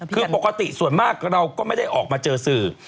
คือปกติส่วนมากเราก็ไม่ได้ออกมาเจอสื่อ